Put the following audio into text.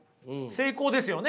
成功ですよね。